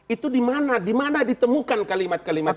itu dimana dimana ditemukan kalimat kalimat itu